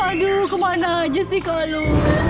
aduh kemana aja sih kalau